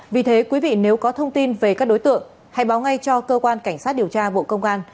vì thế quý vị nếu có thông tin về các đối tượng hãy báo ngay cho cơ quan cảnh sát điều tra bộ công an